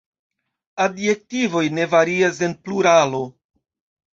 Adjektivoj ne varias en pluralo.